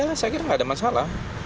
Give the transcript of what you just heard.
saya kira nggak ada masalah